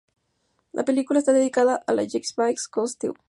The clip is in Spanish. La película está dedicada a Jacques-Yves Cousteau.